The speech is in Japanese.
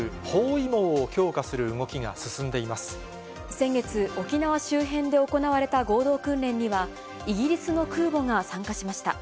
先月、沖縄周辺で行われた合同訓練には、イギリスの空母が参加しました。